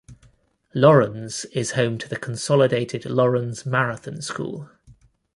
Laurens is home to the consolidated Laurens Marathon School.